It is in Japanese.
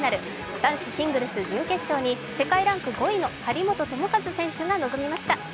男子シングルス準決勝に世界ランク５位の張本智和選手が臨みました。